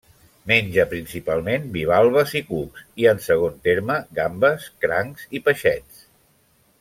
Menja principalment bivalves i cucs, i, en segon terme, gambes, crancs i peixets.